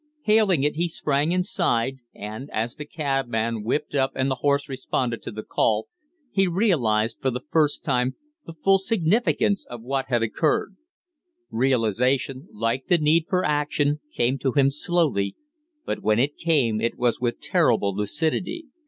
Hailing it, he sprang inside, and, as the cabman whipped up and the horse responded to the call, he realized for the first time the full significance of what had occurred. Realization, like the need for action, came to him slowly, but when it came it was with terrible lucidity.